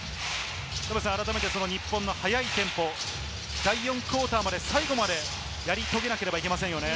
改めて日本の速いテンポ、第４クオーターも最後までやり遂げなければいけませんよね。